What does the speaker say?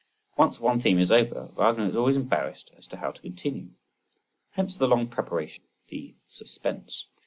Once one theme is over, Wagner is always embarrassed as to how to continue. Hence the long preparation, the suspense.